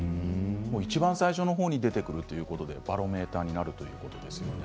いちばん最初の方に出てくるということでバロメーターになるということですね。